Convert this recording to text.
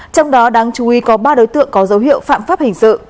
trong đó đáng chú ý có ba đối tượng có dấu hiệu phạm pháp hình sự